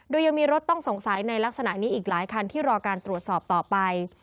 โดยยังมีรถต้องสงสัยในลักษณะนี้อีกหลายคันที่รอการตรวจสอบต่อไป